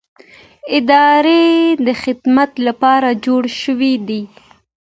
ادارې د خدمت لپاره جوړې شوې دي